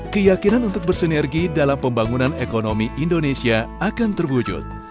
keyakinan untuk bersinergi dalam pembangunan ekonomi indonesia akan terwujud